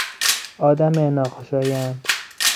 آدم ناخوشایند